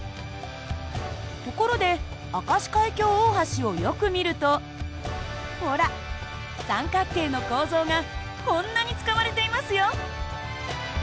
ところで明石海峡大橋をよく見るとほら三角形の構造がこんなに使われていますよ。